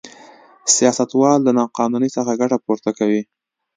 سیاستوال له نا قانونۍ څخه ګټه پورته کوي.